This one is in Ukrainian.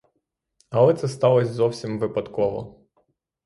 Але це сталось зовсім випадково.